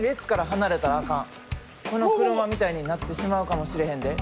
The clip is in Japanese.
この車みたいになってしまうかもしれへんで。